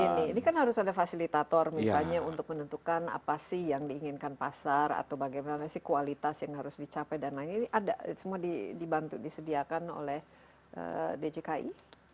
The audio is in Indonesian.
ini kan harus ada fasilitator misalnya untuk menentukan apa sih yang diinginkan pasar atau bagaimana sih kualitas yang harus dicapai dan lain lain ini ada semua dibantu disediakan oleh djki